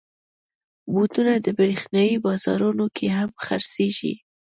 بوټونه د برېښنايي بازارونو کې هم خرڅېږي.